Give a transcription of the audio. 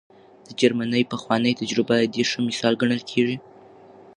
د جرمني پخوانۍ تجربه د دې ښه مثال ګڼل کېږي.